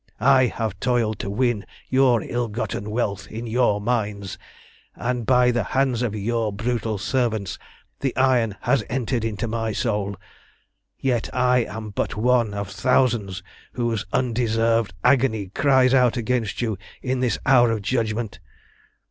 I have toiled to win your ill gotten wealth in your mines, and by the hands of your brutal servants the iron has entered into my soul. Yet I am but one of thousands whose undeserved agony cries out against you in this hour of judgment.